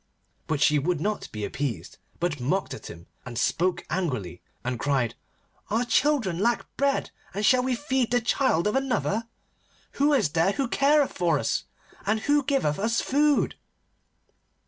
But she would not be appeased, but mocked at him, and spoke angrily, and cried: 'Our children lack bread, and shall we feed the child of another? Who is there who careth for us? And who giveth us food?